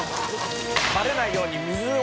バレないように水を。